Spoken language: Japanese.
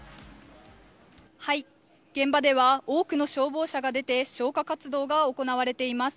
現場では、多くの消防車が出て、消火活動が行われています。